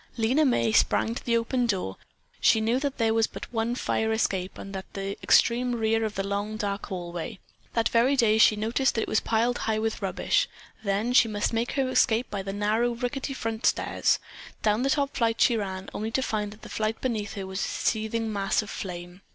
Lena May sprang to the open door. She knew there was but one fire escape and that at the extreme rear of the long, dark hallway. That very day she had noticed that it was piled high with rubbish. Then she must make her escape by the narrow, rickety front stairs. Down the top flight she ran, only to find that the flight beneath her was a seething mass of flame.